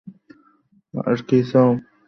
আর কী চাও?